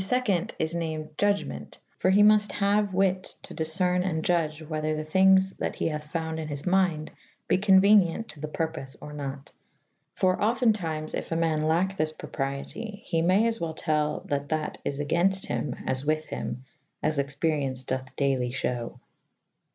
* is named iudge ment / for he mufte haue wyt to difcerne and iudge whether tho thinges that he hathe founde in his m^mde be conuenient to the purpofe or nat / for often tymes yf a man lake^ thys propriete* he may afwell tell that that is agaynfte hym / as with hym / as expe rience doth dayly fhew.